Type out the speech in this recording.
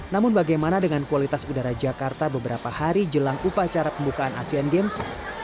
namun bagaimana dengan kualitas udara jakarta beberapa hari jelang upacara pembukaan asian games